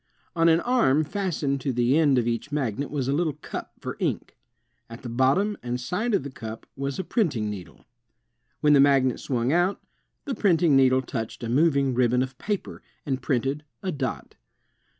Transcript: On an arm fastened to the end of each magnet was a little cup for ink. At the bottom and side of the cup was a printing needle. When the magnet swung out, the printing needle touched a moving ribbon of paper, and printed a dot.